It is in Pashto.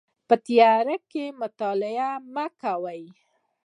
په تیاره کې مطالعه مه کوئ